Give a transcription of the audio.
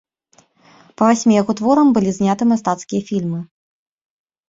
Па васьмі яго творам былі зняты мастацкія фільмы.